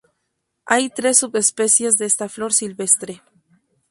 Hay tres subespecies de esta flor silvestre.